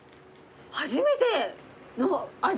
初めての味。